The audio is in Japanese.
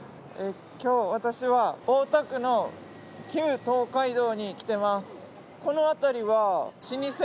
今日私は大田区の旧東海道に来てます。